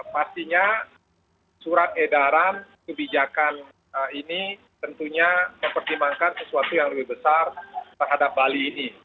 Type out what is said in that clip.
pastinya surat edaran kebijakan ini tentunya mempertimbangkan sesuatu yang lebih besar terhadap bali ini